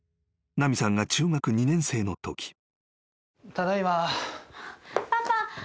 ［奈美さんが中学２年生のとき］